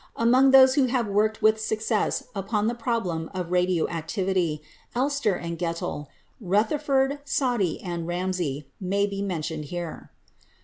Among those who have worked with success upon the problem of radio activity, Elster and Geitel, Rutherford, Soddy and Ramsay may be mentioned here.